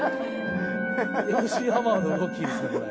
ＭＣハマーの動きですねこれ。